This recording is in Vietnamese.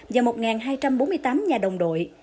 và một hai trăm bốn mươi tám nhà đồng đội